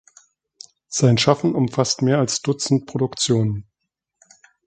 Sein Schaffen umfasst mehr als Dutzend Produktionen.